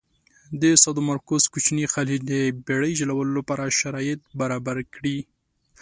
د سادومارکوس کوچینی خلیج د بېړی چلولو لپاره شرایط برابر کړي.